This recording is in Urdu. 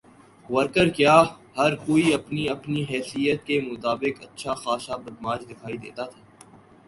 ورکر کیا ہر کوئی اپنی اپنی حیثیت کے مطابق اچھا خاصا بدمعاش دکھائی دیتا تھا۔